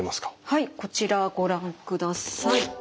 はいこちらご覧ください。